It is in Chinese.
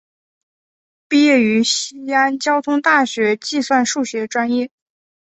毕业于西安交通大学计算数学专业。